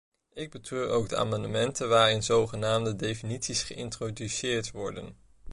Ik betreur ook de amendementen waarin zogenaamde definities geïntroduceerd worden.